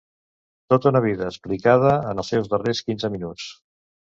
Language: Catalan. Tota una vida explicada en els seus darrers quinze minuts.